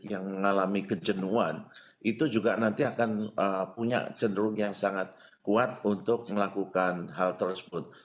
yang mengalami kejenuan itu juga nanti akan punya cenderung yang sangat kuat untuk melakukan hal tersebut